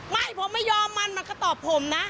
ไม่ผมไม่ยอมมันมันก็ตอบผมนะ